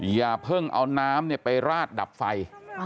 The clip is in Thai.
อย่าเพิ่งเอาน้ำไปราดดับไฟ